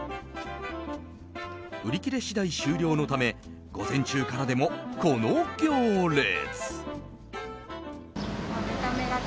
売り切れ次第終了のため午前中からでも、この行列。